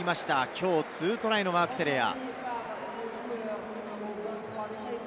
きょう２トライのマーク・テレア。